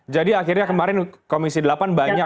jadi akhirnya kemarin komisi delapan banyak